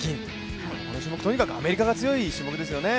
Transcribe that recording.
この種目とにかくアメリカが強い種目ですよね。